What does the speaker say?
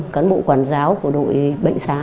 cán bộ quản giáo của đội bệnh xá